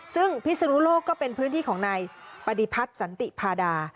ซึ่งพิศนุโลกก็เป็นพื้นที่ของนายปฏิพัฒน์สันติพาดา